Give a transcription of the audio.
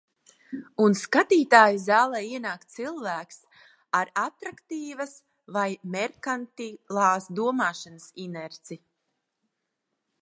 Un skatītāju zālē ienāk cilvēks ar atraktīvas vai merkantilās domāšanas inerci.